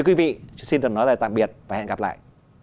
quý vị xin tạm biệt và hẹn gặp lại